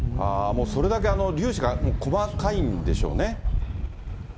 それだけ粒子が細かいんでしょうね。